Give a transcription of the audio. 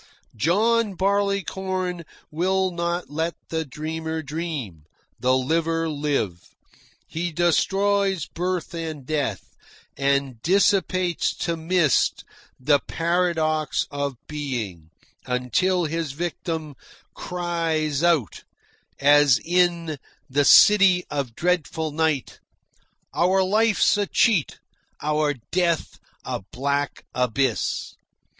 John Barleycorn will not let the dreamer dream, the liver live. He destroys birth and death, and dissipates to mist the paradox of being, until his victim cries out, as in "The City of Dreadful Night": "Our life's a cheat, our death a black abyss."